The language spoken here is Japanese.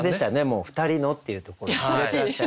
もう「ふたりの」っていうところ。